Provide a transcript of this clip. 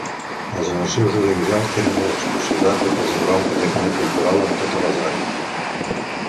Els arxius audiovisuals tenen la responsabilitat de preservar un patrimoni cultural en totes les àrees.